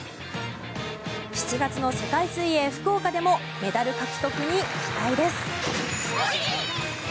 ７月の世界水泳福岡でもメダル獲得に期待です。